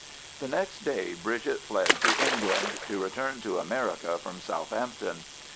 The next day Bridget fled to England, to return to America from Southampton.